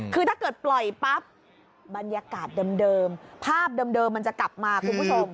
คือถ้าเกิดปล่อยปั๊บบรรยากาศเดิมภาพเดิมมันจะกลับมาคุณผู้ชม